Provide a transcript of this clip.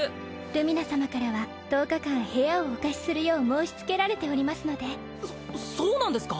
ルミナ様からは１０日間部屋をお貸しするよう申しつけられておりますのでそそうなんですか？